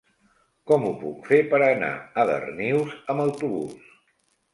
Com ho puc fer per anar a Darnius amb autobús?